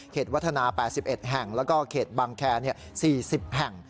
วัฒนา๘๑แห่งแล้วก็เขตบางแคร์๔๐แห่ง